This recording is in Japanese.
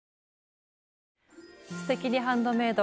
「すてきにハンドメイド」